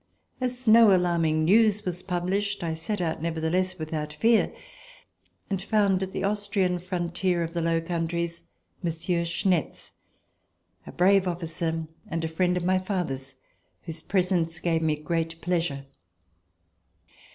As no alarming news was published, I set out, nevertheless, without fear and found, at the Austrian frontier of the Low Countries, Monsieur Schnetz, a brave officer and friend of my father's whose presence gave me great pleasure.